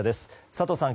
佐藤さん